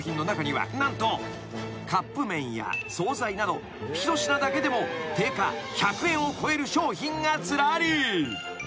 ［何とカップ麺や総菜など１品だけでも定価１００円を超える商品がずらり］